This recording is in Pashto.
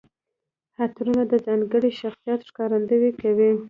عطرونه د ځانګړي شخصیت ښکارندويي کوي.